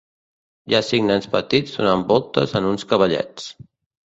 Hi ha cinc nens petits donant voltes en uns cavallets.